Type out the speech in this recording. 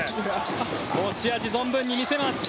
持ち味存分に見せます。